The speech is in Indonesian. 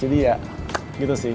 jadi ya gitu sih